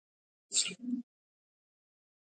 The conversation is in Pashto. که له پېښي وتښتې نو ستونزه نه حل کېږي.